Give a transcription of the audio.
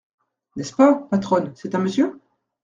N’est-ce pas, patronne, c’est un monsieur ?